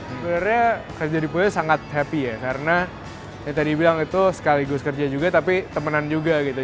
sebenarnya kerja di puyo sangat happy ya karena ya tadi bilang itu sekaligus kerja juga tapi temenan juga gitu